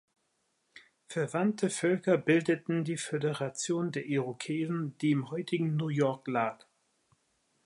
Verwandte Völker bildeten die Föderation der Irokesen, die im heutigen New York lag.